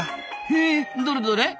へえどれどれ？